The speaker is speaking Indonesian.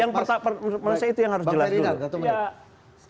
yang pertama saya itu yang harus jelas dulu